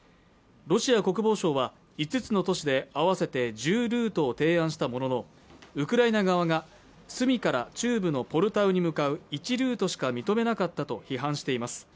ロシア国防省は５つの都市で合わせて１０ルートを提案したもののウクライナ側がスミから中部のポルタワに向かう１ルートしか認めなかったと批判しています